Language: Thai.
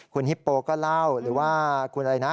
คุณฮิปโปก็เล่าหรือว่าคุณอะไรนะ